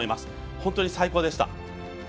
本当に最高でした。